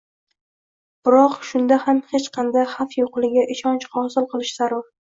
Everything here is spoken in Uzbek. biroq shunda ham hech qanday xavf yo‘qligiga ishonch hosil qilish zarur.